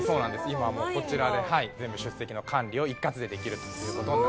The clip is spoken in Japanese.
今はもうこちらで全部出席の管理を一括でできるという事になっています。